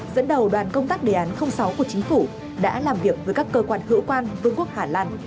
dẫn đầu đoàn công tác đề án sáu của chính phủ đã làm việc với các cơ quan hữu quan vương quốc hà lan